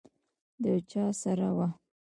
د یو چا سره وه.